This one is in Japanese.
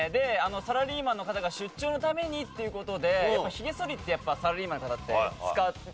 サラリーマンの方が出張のためにという事でひげそりってやっぱサラリーマンの方って使われる。